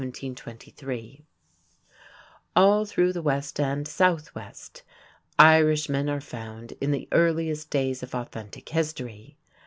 All through the west and southwest, Irishmen are found in the earliest days of authentic history.